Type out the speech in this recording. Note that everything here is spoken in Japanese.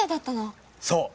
そう！